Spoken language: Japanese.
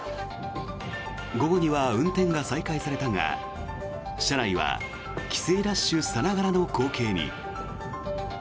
午後には運転が再開されたが車内は帰省ラッシュさながらの光景に。